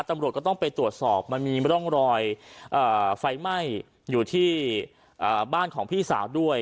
ตำรวจก็ต้องไปตรวจสอบมันมีร่องรอยไฟไหม้อยู่ที่บ้านของพี่สาวด้วย